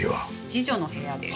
次女の部屋です。